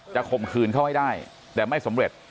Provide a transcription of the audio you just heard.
ข่มขืนเขาให้ได้แต่ไม่สำเร็จ